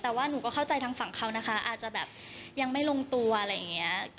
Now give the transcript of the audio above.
แต่ว่าหนูก็เข้าใจทางฝั่งเขานะคะอาจจะแบบยังไม่ลงตัวอะไรอย่างนี้